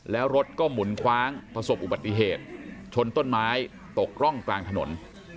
แล้วรถก็หมุนคว้างประสบอุบัติเหตุชนต้นไม้ตกร่องกลางถนน